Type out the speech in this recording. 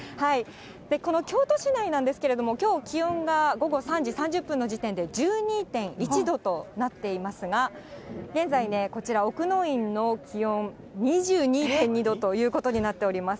この京都市内なんですけれども、きょう、気温が午後３時３０分の時点で、１２．１度となっていますが、現在、こちら奥の院の気温、２２．２度ということになっております。